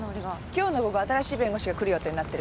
今日の午後新しい弁護士が来る予定になってるから。